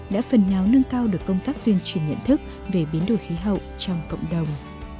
đã phần nào nâng cao được công tác tuyên truyền nhận thức về biến đổi khí hậu trong cộng đồng